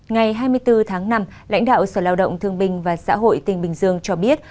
ngày hai mươi bốn tháng năm lãnh đạo sở lao động thương bình và xã hội tỉnh bình dương cho biết